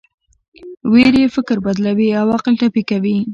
ویرې فکر بدلوي او عقل ټپي کوي.